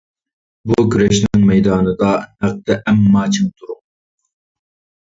بۇ كۈرەشنىڭ مەيدانىدا ، ھەقتە ئەمما چىڭ تۇرۇڭ!